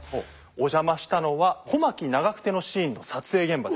お邪魔したのは小牧・長久手のシーンの撮影現場です。